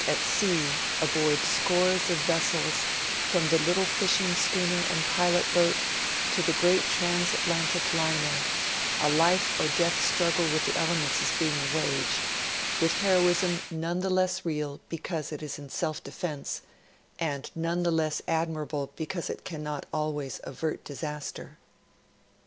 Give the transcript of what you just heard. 49 at sea, aboard scores of vessels, from the little fisliing schooner and pilot boat to the great transatlantic liner, a life or death struggle with the elements is being waged, with heroism none the less real because it is in self defence, and none the less admirable because it cannot always avert disaster.